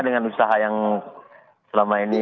dengan usaha yang selama ini